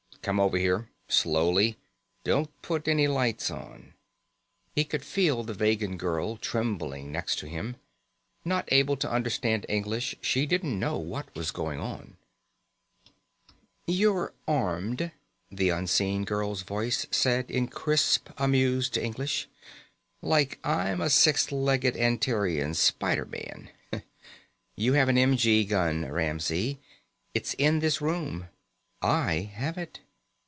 "Come over here. Slowly. Don't put any lights on." He could feel the Vegan girl trembling next to him. Not able to understand English, she didn't know what was going on. "You're armed," the unseen girl's voice said in crisp, amused English, "like I'm a six legged Antarean spider man. You have an m.g. gun, Ramsey. It's in this room. I have it.